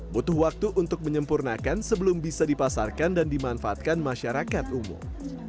butuh waktu untuk menyempurnakan sebelum bisa dipasarkan dan dimanfaatkan masyarakat umum